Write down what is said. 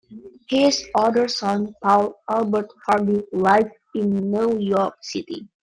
His other son Paul Albert Hardy lived in New York City.